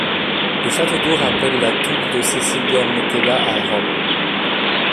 Le château d’eau rappelle la Tombe de Cæcilia Metella à Rome.